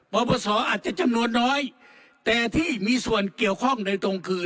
ปปศอาจจะจำนวนน้อยแต่ที่มีส่วนเกี่ยวข้องโดยตรงคือ